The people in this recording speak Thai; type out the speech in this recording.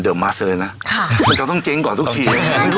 ก่อนที่จะสมบัติ